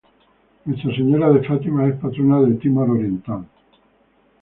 Nuestra Señora de Fátima es la patrona de Timor Oriental.